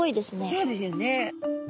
そうですよね。